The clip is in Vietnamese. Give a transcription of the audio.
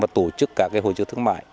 và tổ chức các hội chức thương mại